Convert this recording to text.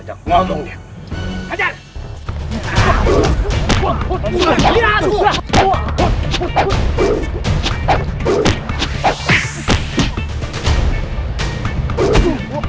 jangan dipergul bukan aja choke lo sama dia